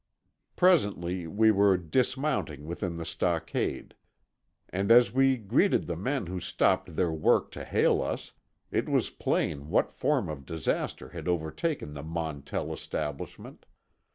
Presently we were dismounting within the stockade. And as we greeted the men who stopped their work to hail us, it was plain what form of disaster had overtaken the Montell establishment.